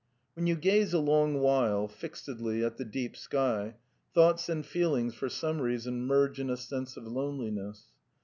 21). When you gaze a long while fixedly at the deep sky thoughts and feelings for some reason merge in a sense of loneliness.